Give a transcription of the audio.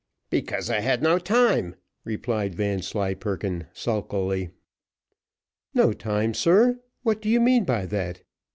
"Because I had no time," replied Vanslyperken, sulkily. "No time, sir; what do you mean by that?